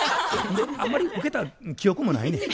あんまりウケた記憶もないねん。